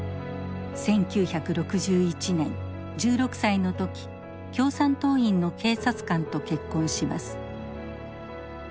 １９６１年１６歳の時共産党員の警察官と結婚します。